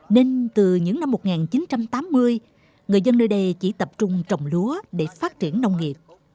nên từ những năm một nghìn chín trăm tám mươi người dân nơi đây chỉ tập trung trồng lúa để phát triển nông nghiệp